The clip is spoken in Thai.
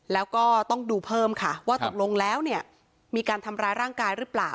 แล้วก็ต้องดูเพิ่มค่ะว่าตกลงแล้วเนี่ยมีการทำร้ายร่างกายหรือเปล่า